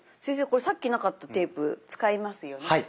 先生これさっきなかったテープ使いますよね？